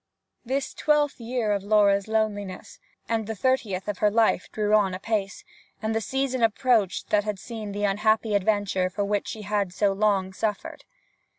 This twelfth year of Laura's loneliness, and the thirtieth of her life drew on apace, and the season approached that had seen the unhappy adventure for which she so long had suffered.